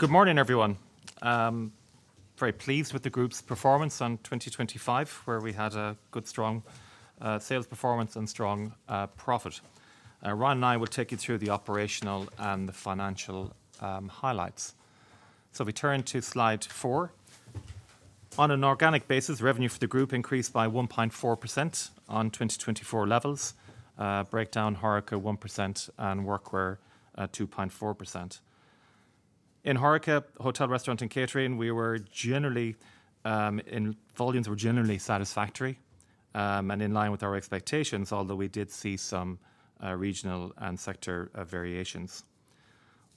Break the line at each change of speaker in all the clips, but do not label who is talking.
Good morning, everyone. Very pleased with the group's performance in 2025, where we had a good strong sales performance and strong profit. Ryan and I will take you through the operational and the financial highlights. If we turn to slide four. On an organic basis, revenue for the group increased by 1.4% on 2024 levels. Breakdown, HORECA 1% and Workwear 2.4%. In HORECA, hotel, restaurant, and catering, volumes were generally satisfactory and in line with our expectations, although we did see some regional and sector variations.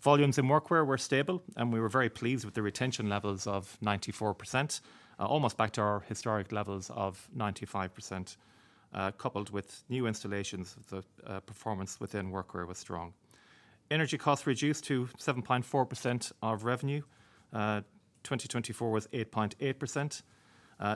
Volumes in Workwear were stable, and we were very pleased with the retention levels of 94%, almost back to our historic levels of 95%. Coupled with new installations, the performance within Workwear was strong. Energy costs reduced to 7.4% of revenue. 2024 was 8.8%,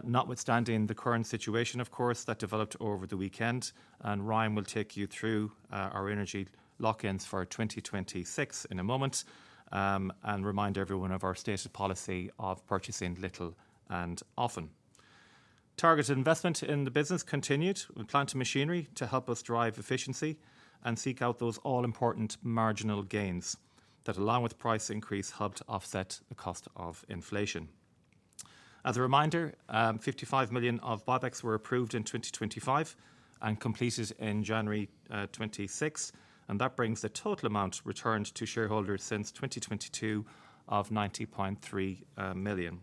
notwithstanding the current situation, of course, that developed over the weekend. Ryan will take you through our energy lock-ins for 2026 in a moment and remind everyone of our stated policy of purchasing little and often. Targeted investment in the business continued with plant and machinery to help us drive efficiency and seek out those all-important marginal gains that, along with price increase, helped offset the cost of inflation. As a reminder, 55 million of buybacks were approved in 2025 and completed in January 2026, and that brings the total amount returned to shareholders since 2022 of 90.3 million.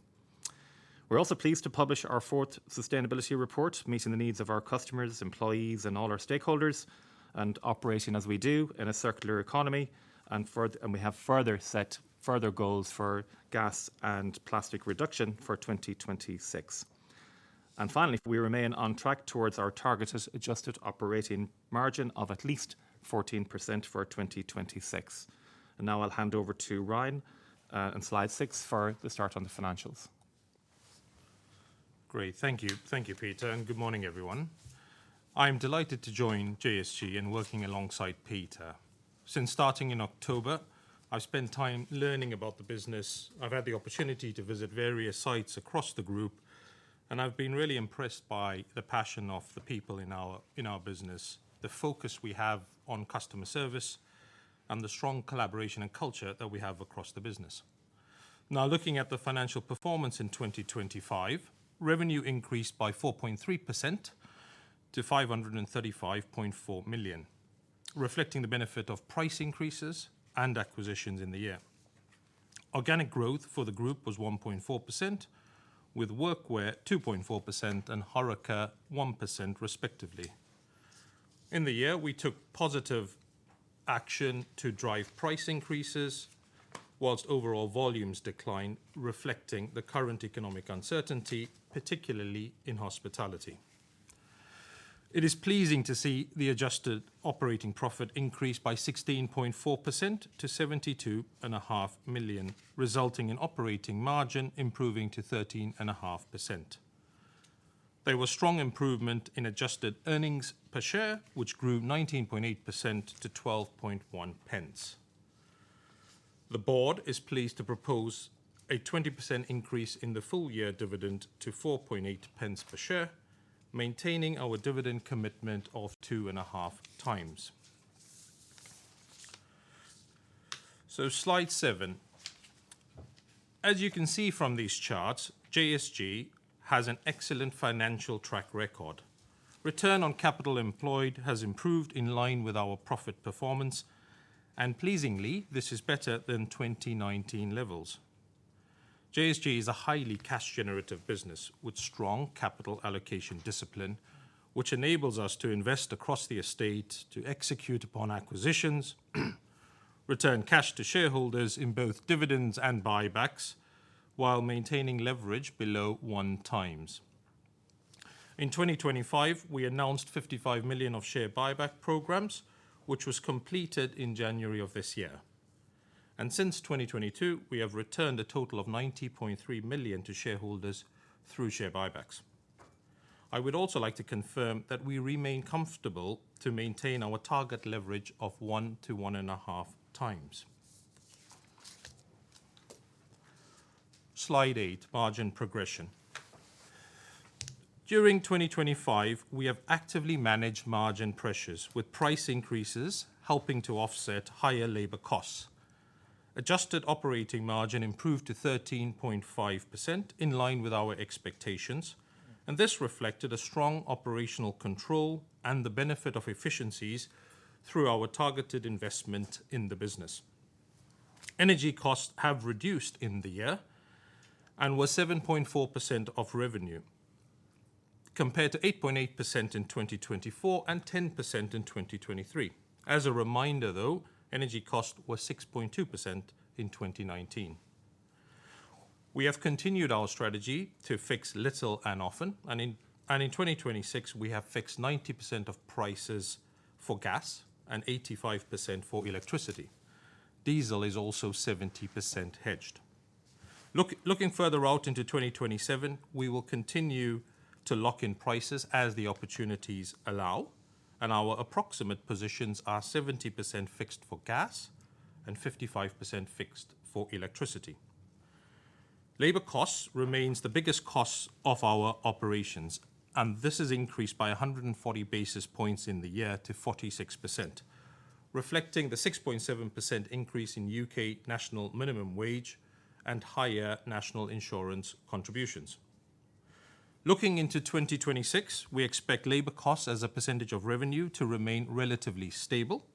We're also pleased to publish our fourth sustainability report, meeting the needs of our customers, employees, and all our stakeholders, and operating as we do in a circular economy and we have set further goals for gas and plastic reduction for 2026. Finally, we remain on track towards our targeted adjusted operating margin of at least 14% for 2026. Now I'll hand over to Ryan on slide six for the start on the financials.
Great. Thank you. Thank you, Peter. Good morning, everyone. I'm delighted to join JSG and working alongside Peter. Since starting in October, I've spent time learning about the business. I've had the opportunity to visit various sites across the group. I've been really impressed by the passion of the people in our business, the focus we have on customer service, and the strong collaboration and culture that we have across the business. Now looking at the financial performance in 2025, revenue increased by 4.3% to 535.4 million, reflecting the benefit of price increases and acquisitions in the year. Organic growth for the group was 1.4%, with Workwear 2.4% and HORECA 1% respectively. In the year, we took positive action to drive price increases whilst overall volumes declined, reflecting the current economic uncertainty, particularly in hospitality. It is pleasing to see the adjusted operating profit increase by 16.4% to 72.5 million, resulting in operating margin improving to 13.5%. There was strong improvement in adjusted earnings per share, which grew 19.8% to 0.121. The board is pleased to propose a 20% increase in the full year dividend to 0.048 per share, maintaining our dividend commitment of 2.5x. So slide seven, as you can see from these charts, JSG has an excellent financial track record. Return on capital employed has improved in line with our profit performance, and pleasingly, this is better than 2019 levels. JSG is a highly cash generative business with strong capital allocation discipline, which enables us to invest across the estate to execute upon acquisitions, return cash to shareholders in both dividends and buybacks, while maintaining leverage below 1x. In 2025, we announced 55 million of share buyback programs, which was completed in January of this year. Since 2022, we have returned a total of 90.3 million to shareholders through share buybacks. I would also like to confirm that we remain comfortable to maintain our target leverage of 1x-1.5x. Slide eight, margin progression. During 2025, we have actively managed margin pressures with price increases helping to offset higher labor costs. Adjusted operating margin improved to 13.5%, in line with our expectations. This reflected a strong operational control and the benefit of efficiencies through our targeted investment in the business. Energy costs have reduced in the year and were 7.4% of revenue, compared to 8.8% in 2024 and 10% in 2023. As a reminder, though, energy cost was 6.2% in 2019. We have continued our strategy to fix little and often, in 2026, we have fixed 90% of prices for gas and 85% for electricity. Diesel is also 70% hedged. Looking further out into 2027, we will continue to lock in prices as the opportunities allow. Our approximate positions are 70% fixed for gas and 55% fixed for electricity. Labor costs remains the biggest cost of our operations, and this has increased by 140 basis points in the year to 46%, reflecting the 6.7% increase in U.K. National Minimum Wage and higher National Insurance contributions. Looking into 2026, we expect labor costs as a percentage of revenue to remain relatively stable,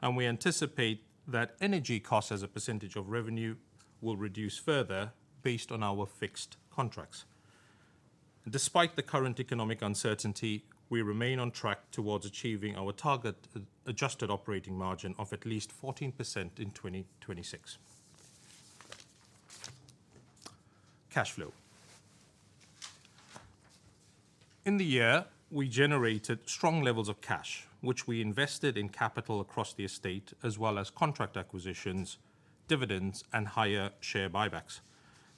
and we anticipate that energy costs as a percentage of revenue will reduce further based on our fixed contracts. Despite the current economic uncertainty, we remain on track towards achieving our target adjusted operating margin of at least 14% in 2026. Cash flow. In the year, we generated strong levels of cash, which we invested in capital across the estate, as well as contract acquisitions, dividends, and higher share buybacks.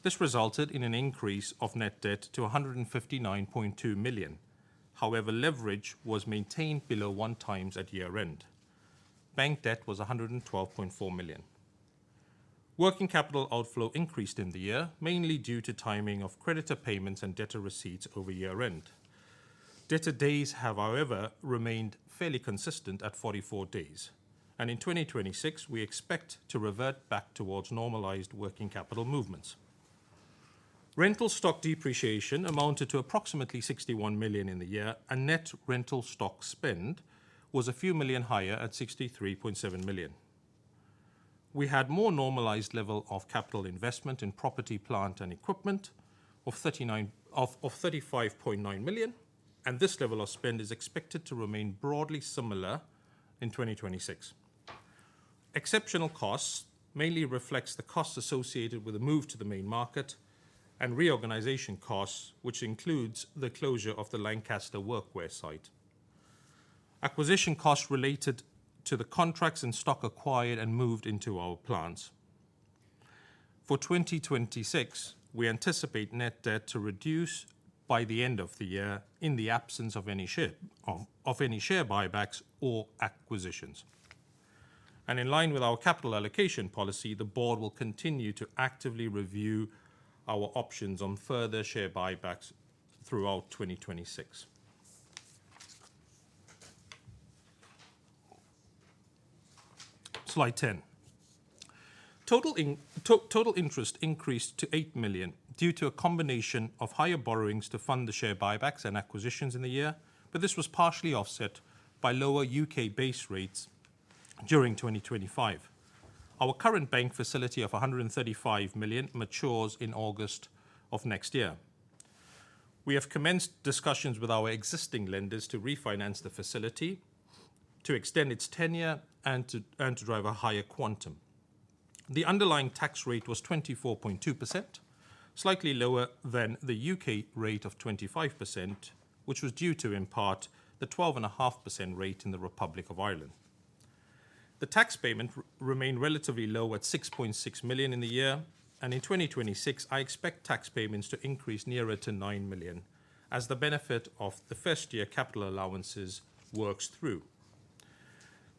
This resulted in an increase of net debt to 159.2 million. Leverage was maintained below 1x at year-end. Bank debt was 112.4 million. Working capital outflow increased in the year, mainly due to timing of creditor payments and debtor receipts over year-end. Debtor days have, however, remained fairly consistent at 44 days, and in 2026, we expect to revert back towards normalized working capital movements. Rental stock depreciation amounted to approximately 61 million in the year, and net rental stock spend was a few million higher at 63.7 million. We had more normalized level of capital investment in property, plant, and equipment of 35.9 million, and this level of spend is expected to remain broadly similar in 2026. Exceptional costs mainly reflects the costs associated with the move to the Main Market and reorganization costs, which includes the closure of the Lancaster Workwear site. Acquisition costs related to the contracts and stock acquired and moved into our plans. For 2026, we anticipate net debt to reduce by the end of the year in the absence of any share buybacks or acquisitions. In line with our capital allocation policy, the board will continue to actively review our options on further share buybacks throughout 2026. Slide 10. Total interest increased to 8 million due to a combination of higher borrowings to fund the share buybacks and acquisitions in the year, but this was partially offset by lower U.K. base rates during 2025. Our current bank facility of 135 million matures in August of next year. We have commenced discussions with our existing lenders to refinance the facility, to extend its tenure, and to drive a higher quantum. The underlying tax rate was 24.2%, slightly lower than the U.K. rate of 25%, which was due to, in part, the 12.5% rate in the Republic of Ireland. The tax payment remain relatively low at 6.6 million in the year, and in 2026, I expect tax payments to increase nearer to 9 million as the benefit of the first-year allowances works through.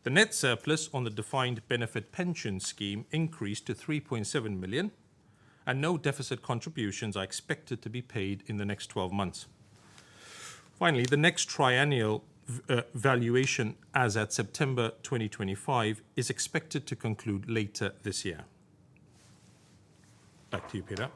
The net surplus on the defined benefit pension scheme increased to 3.7 million, and no deficit contributions are expected to be paid in the next 12 months. Finally, the next triennial valuation as at September 2025 is expected to conclude later this year. Back to you, Peter.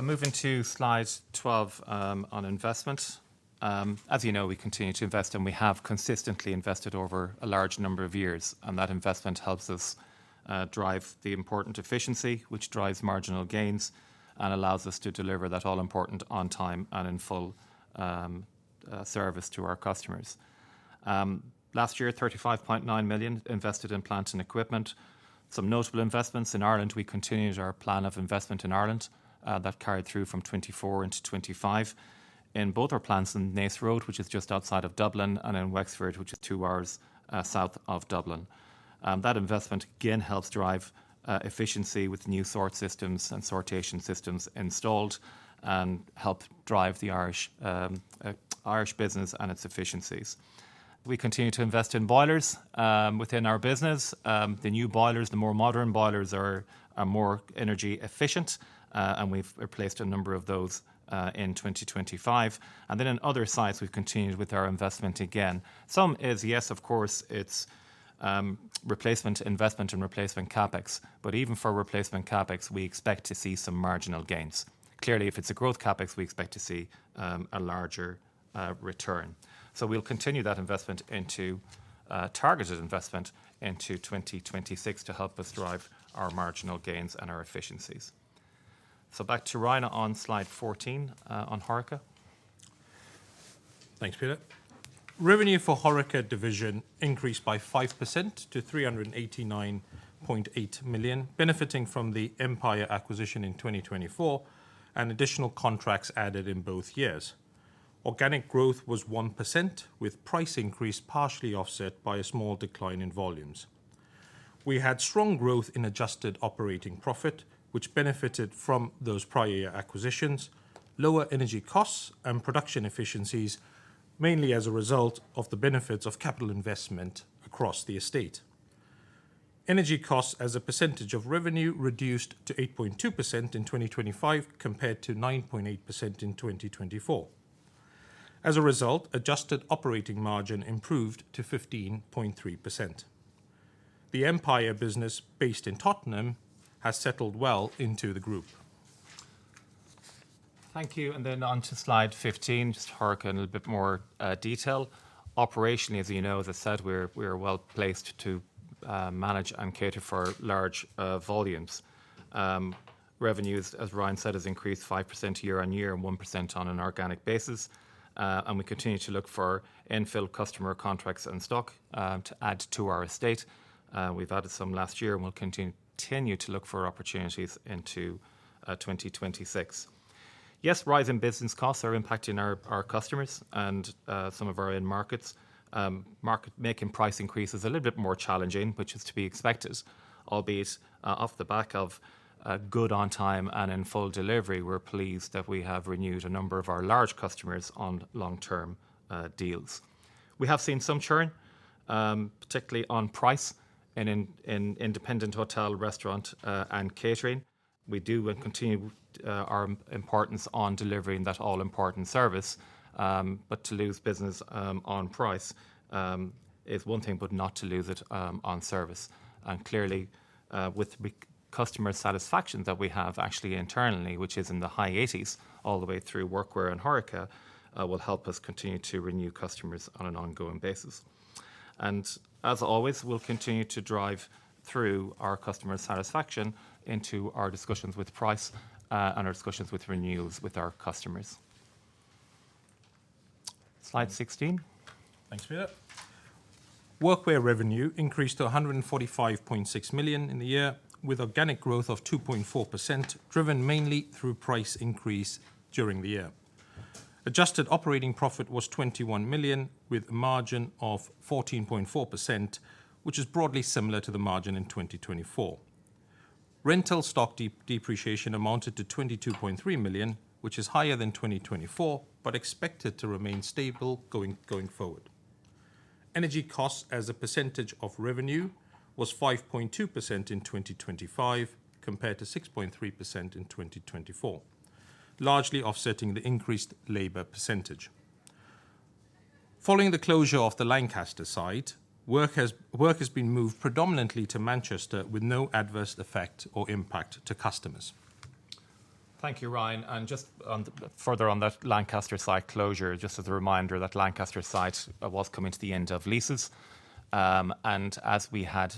Moving to slide 12, on investment. As you know, we continue to invest, and we have consistently invested over a large number of years, and that investment helps us drive the important efficiency which drives marginal gains and allows us to deliver that all-important on-time and in-full service to our customers. Last year, 35.9 million invested in plant and equipment. Some notable investments in Ireland, we continued our plan of investment in Ireland that carried through from 2024 into 2025. In both our plants in Naas Road, which is just outside of Dublin, and in Wexford, which is two hours south of Dublin. That investment again helps drive efficiency with new sort systems and sortation systems installed and help drive the Irish business and its efficiencies. We continue to invest in boilers within our business. The new boilers, the more modern boilers are more energy efficient, and we've replaced a number of those in 2025. On other sites, we've continued with our investment again. Some is, yes, of course, it's replacement investment and replacement CapEx, but even for replacement CapEx, we expect to see some marginal gains. Clearly, if it's a growth CapEx, we expect to see a larger return. We'll continue that investment into targeted investment into 2026 to help us drive our marginal gains and our efficiencies. Back to Ryan on slide 14 on HORECA.
Thanks, Peter. Revenue for HORECA division increased by 5% to 389.8 million, benefiting from the Empire acquisition in 2024 and additional contracts added in both years. Organic growth was 1%, with price increase partially offset by a small decline in volumes. We had strong growth in adjusted operating profit, which benefited from those prior year acquisitions, lower energy costs and production efficiencies, mainly as a result of the benefits of capital investment across the estate. Energy costs as a percentage of revenue reduced to 8.2% in 2025, compared to 9.8% in 2024. As a result, adjusted operating margin improved to 15.3%. The Empire business based in Tottenham has settled well into the group.
Thank you. On to slide 15, just HORECA in a bit more detail. Operationally, as you know, as I said, we are well-placed to manage and cater for large volumes. Revenues, as Ryan said, has increased 5% year-over-year and 1% on an organic basis. We continue to look for infill customer contracts and stock to add to our estate. We've added some last year, and we'll continue to look for opportunities into 2026. Yes, rising business costs are impacting our customers and some of our end markets. Making price increases a little bit more challenging, which is to be expected, albeit off the back of a good on-time and in-full delivery. We're pleased that we have renewed a number of our large customers on long-term deals. We have seen some churn, particularly on price and in independent hotel, restaurant, and catering. We do and continue our importance on delivering that all-important service, but to lose business on price is one thing, but not to lose it on service. Clearly, with the customer satisfaction that we have actually internally, which is in the high 80s all the way through Workwear and HORECA, will help us continue to renew customers on an ongoing basis. As always, we'll continue to drive through our customer satisfaction into our discussions with price and our discussions with renewals with our customers. Slide 16.
Thanks for that. Workwear revenue increased to 145.6 million in the year, with organic growth of 2.4%, driven mainly through price increase during the year. Adjusted operating profit was 21 million, with margin of 14.4%, which is broadly similar to the margin in 2024. Rental stock depreciation amounted to 22.3 million, which is higher than 2024, but expected to remain stable going forward. Energy costs as a percentage of revenue was 5.2% in 2025, compared to 6.3% in 2024, largely offsetting the increased labor percentage. Following the closure of the Lancaster site, work has been moved predominantly to Manchester with no adverse effect or impact to customers.
Thank you, Ryan. Further on that Lancaster site closure, just as a reminder, that Lancaster site was coming to the end of leases. As we had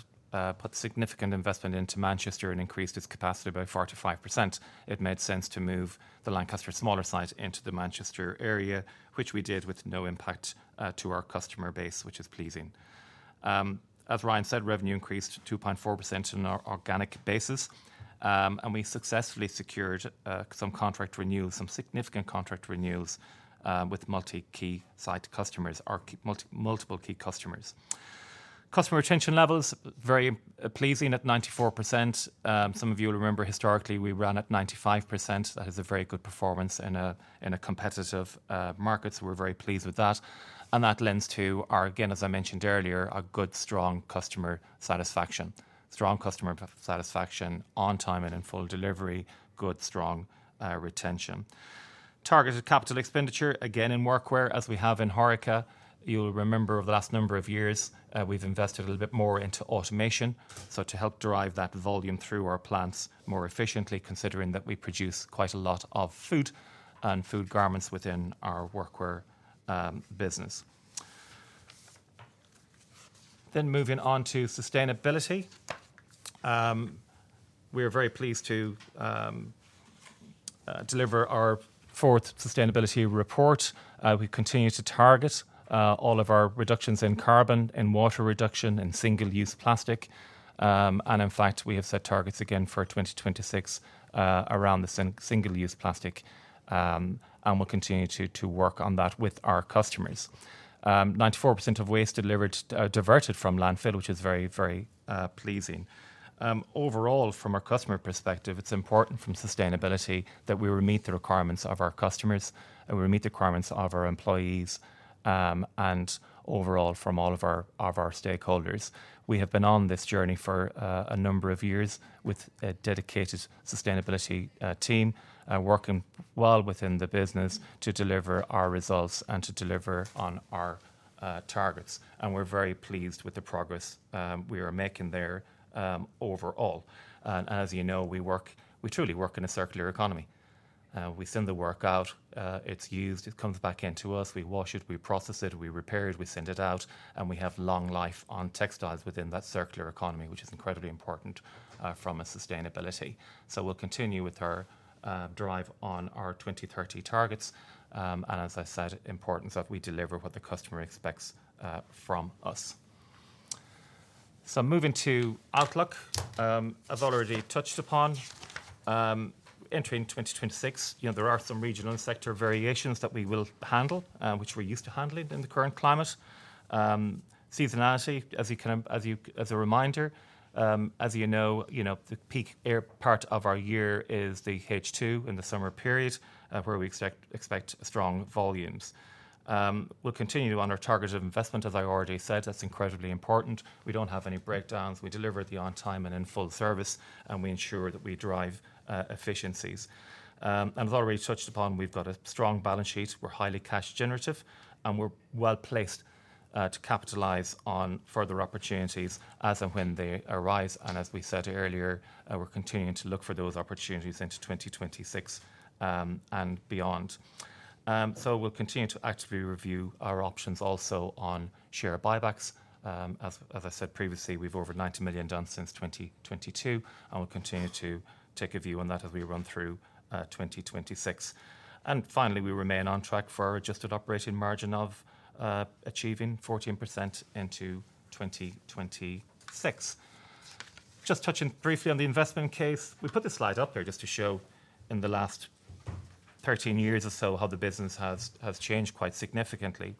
put significant investment into Manchester and increased its capacity by 4%-5%, it made sense to move the Lancaster smaller site into the Manchester area, which we did with no impact to our customer base, which is pleasing. As Ryan said, revenue increased 2.4% on an organic basis. We successfully secured some contract renewals, some significant contract renewals, with multi-key site customers or multiple key customers. Customer retention levels, very pleasing at 94%. Some of you will remember historically, we ran at 95%. That is a very good performance in a competitive market. We're very pleased with that. That lends to our, again, as I mentioned earlier, a good strong customer satisfaction. Strong customer satisfaction on-time and in-full delivery, good strong retention. Targeted capital expenditure, again, in Workwear, as we have in HORECA. You'll remember over the last number of years, we've invested a little bit more into automation. To help drive that volume through our plants more efficiently, considering that we produce quite a lot of food and food garments within our Workwear business. Moving on to sustainability. We are very pleased to deliver our fourth sustainability report. We continue to target all of our reductions in carbon, in water reduction, in single-use plastic. And in fact, we have set targets again for 2026 around the single-use plastic, and we'll continue to work on that with our customers. 94% of waste diverted from landfill, which is very pleasing. Overall, from a customer perspective, it's important from sustainability that we meet the requirements of our customers, and we meet the requirements of our employees, and overall from all of our stakeholders. We have been on this journey for a number of years with a dedicated sustainability team, working well within the business to deliver our results and to deliver on our targets. We're very pleased with the progress we are making there overall. As you know, we truly work in a circular economy. We send the work out, it's used, it comes back in to us, we wash it, we process it, we repair it, we send it out, and we have long life on textiles within that circular economy, which is incredibly important from a sustainability. We'll continue with our drive on our 2030 targets, and as I said, importance that we deliver what the customer expects from us. Moving to outlook, I've already touched upon entering 2026. There are some regional and sector variations that we will handle, which we're used to handling in the current climate. Seasonality as a reminder, as you know, the peak air part of our year is the H2 in the summer period, where we expect strong volumes. We'll continue on our targeted investment, as I already said, that's incredibly important. We don't have any breakdowns. We deliver the on-time and in-full service, and we ensure that we drive efficiencies. I've already touched upon we've got a strong balance sheet. We're highly cash generative, and we're well-placed to capitalize on further opportunities as and when they arise. As we said earlier, we're continuing to look for those opportunities into 2026 and beyond. We'll continue to actively review our options also on share buybacks. As I said previously, we've over 90 million done since 2022, and we'll continue to take a view on that as we run through 2026. Finally, we remain on track for our adjusted operating margin of achieving 14% into 2026. Just touching briefly on the investment case. We put this slide up there just to show in the last 13 years or so how the business has changed quite significantly.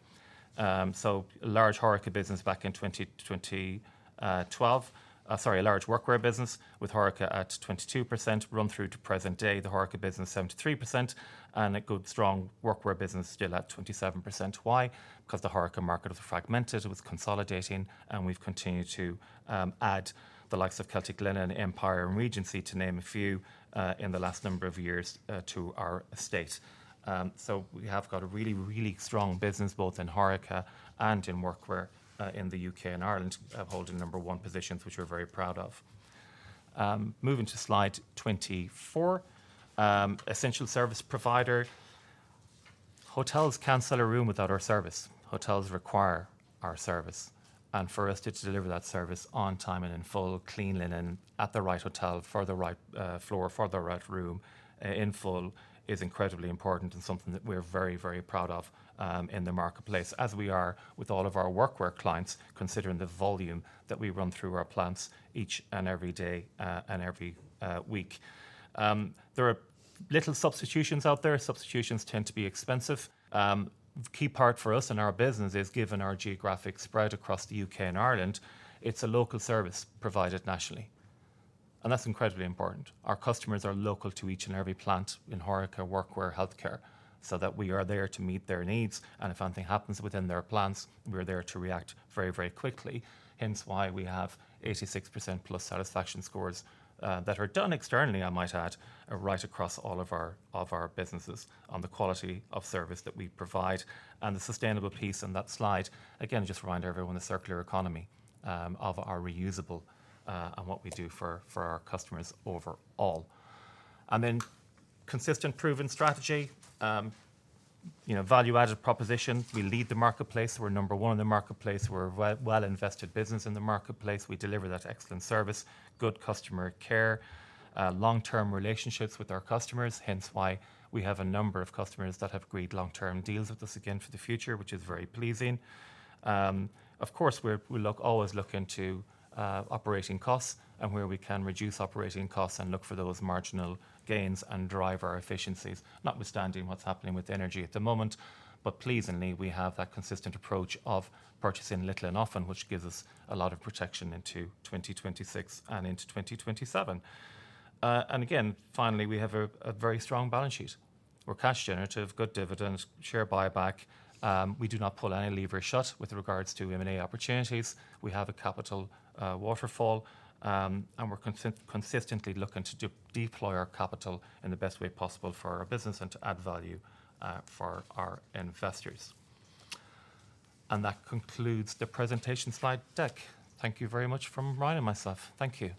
Large HORECA business back in 2012. Sorry, a large Workwear business with HORECA at 22% run through to present day. The HORECA business 73% and a good strong Workwear business still at 27%. Why? 'Cause the HORECA market was fragmented, it was consolidating, and we've continued to add the likes of Celtic Linen, Empire and Regency to name a few in the last number of years to our estate. We have got a really, really strong business both in HORECA and in Workwear in the U.K. and Ireland, holding number one positions which we're very proud of. Moving to slide 24. Essential service provider. Hotels can't sell a room without our service. Hotels require our service. For us to deliver that service on-time and in-full, clean linen at the right hotel for the right floor, for the right room, in-full is incredibly important and something that we're very, very proud of in the marketplace as we are with all of our Workwear clients, considering the volume that we run through our plants each and every day and every week. There are little substitutions out there. Substitutions tend to be expensive. Key part for us and our business is, given our geographic spread across the U.K. and Ireland, it's a local service provided nationally, and that's incredibly important. Our customers are local to each and every plant in HORECA, Workwear, healthcare, so that we are there to meet their needs, and if anything happens within their plants, we're there to react very, very quickly. Hence why we have 86%+ satisfaction scores that are done externally, I might add, right across all of our businesses on the quality of service that we provide. The sustainable piece on that slide, again, just remind everyone the circular economy of our reusable and what we do for our customers overall. Then consistent proven strategy, value-added proposition. We lead the marketplace. We're number one in the marketplace. We're a well-invested business in the marketplace. We deliver that excellent service, good customer care, long-term relationships with our customers. Hence why we have a number of customers that have agreed long-term deals with us again for the future, which is very pleasing. Of course, we're always looking to operating costs and where we can reduce operating costs and look for those marginal gains and drive our efficiencies, notwithstanding what's happening with energy at the moment. Pleasingly, we have that consistent approach of purchasing little and often, which gives us a lot of protection into 2026 and into 2027. Again, finally, we have a very strong balance sheet. We're cash generative, good dividend, share buyback. We do not pull any lever shut with regards to M&A opportunities. We have a capital waterfall, and we're consistently looking to deploy our capital in the best way possible for our business and to add value for our investors. That concludes the presentation slide deck. Thank you very much from Ryan and myself. Thank you.